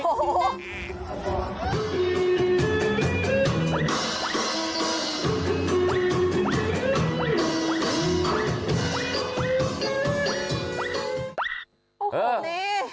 โอ้โหนี่